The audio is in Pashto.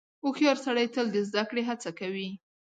• هوښیار سړی تل د زدهکړې هڅه کوي.